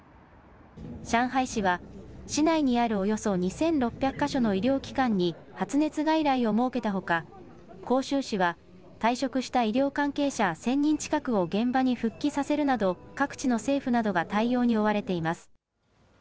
上海市は、市内にあるおよそ２６００か所の医療機関に発熱外来を設けたほか、広州市は退職した医療関係者１０００人近くを現場に復帰させるなど、各地の政府などが対応に追われています。